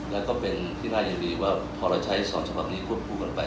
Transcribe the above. แล้วก็เป็นที่น่ายินดีว่าพอเราใช้สองฉบับนี้ควบคู่กันไป